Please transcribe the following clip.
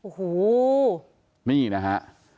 โอ้โหนี่นะฮะ